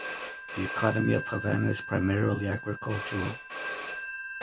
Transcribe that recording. The economy of Hanawa is primarily agricultural.